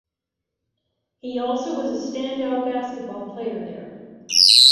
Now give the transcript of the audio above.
He also was a stand out basketball player there.